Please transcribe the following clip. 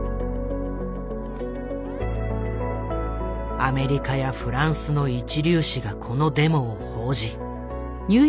アメリカやフランスの一流紙がこのデモを報じ。